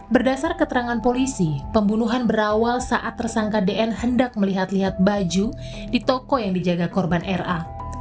berdasar keterangan polisi pembunuhan berawal saat tersangka dn hendak melihat lihat baju di toko yang dijaga korban ra